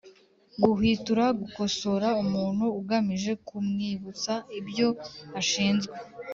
Guhwitura Gukosora umuntu ugamije kumwibutsa ibyo ashinzwe.